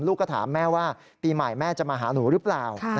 ลูกก็ถามแม่ว่าปีใหม่แม่จะมาหาหนูหรือเปล่า